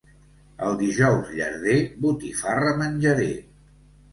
El Dijous Llarder, botifarra menjaré.